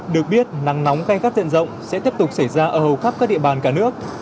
được biết nắng nóng gai gắt dần rộng sẽ tiếp tục xảy ra ở hầu khắp các địa bàn cả nước